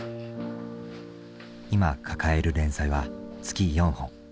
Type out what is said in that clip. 今抱える連載は月４本。